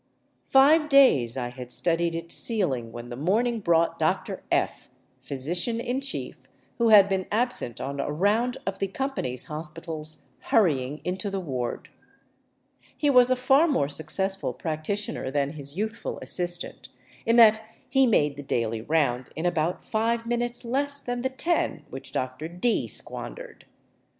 Five days I had studied its ceiling when the morning brought Dr. F, physician in chief, who had been absent on a round of the com pany's hospitals, hurrying into the ward. He was a far more suc cessful practitioner than his youthful assistant — in that he made the daily round in about five minutes less than the ten which Dr. D squandered.